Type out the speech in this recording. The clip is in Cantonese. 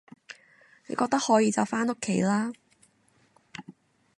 你覺得可以就返屋企啦